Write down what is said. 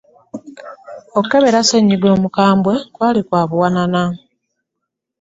okukeberwa ssenyiga omukambwe kwali kwa buwanana.